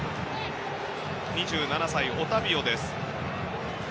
２７歳、オタビオです。